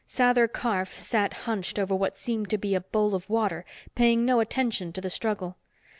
Sather Karf sat hunched over what seemed to be a bowl of water, paying no attention to the struggle.